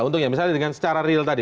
untungnya misalnya dengan secara real tadi